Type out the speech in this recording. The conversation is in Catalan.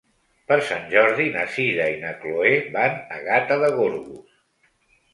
Per Sant Jordi na Sira i na Chloé van a Gata de Gorgos.